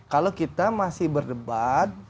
kalau kita masih berdebat